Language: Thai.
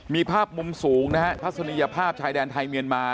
มีภาพมุมสูงนะฮะทัศนียภาพชายแดนไทยเมียนมา